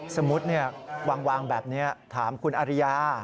สมมุติวางแบบนี้ถามคุณอริยา